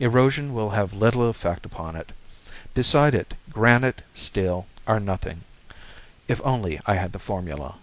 Erosion will have little effect upon it. Beside it granite, steel are nothing. If only I had the formula